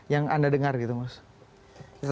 yang anda dengar gitu mas